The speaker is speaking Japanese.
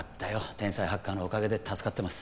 天才ハッカーのおかげで助かってます